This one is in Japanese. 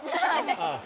ああ